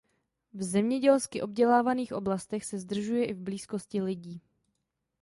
V zemědělsky obdělávaných oblastech se zdržuje i v blízkosti lidí.